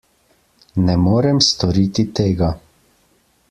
Ne morem storiti tega.